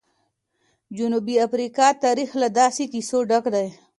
د جنوبي افریقا تاریخ له داسې کیسو ډک دی.